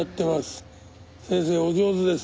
先生お上手です。